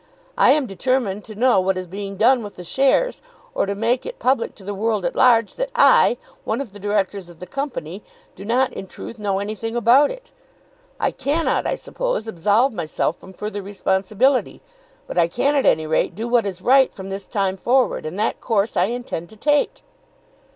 I am determined to know what is being done with the shares, or to make it public to the world at large that I, one of the directors of the Company, do not in truth know anything about it. I cannot, I suppose, absolve myself from further responsibility; but I can at any rate do what is right from this time forward, and that course I intend to take."